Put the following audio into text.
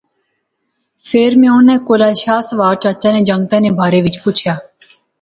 فیر میں انیں کولا شاہ سوار چچا نے جنگتے نے بارے وچ پچھیا